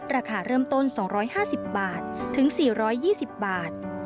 ราคาเริ่มต้น๒๕๐๔๒๐บาท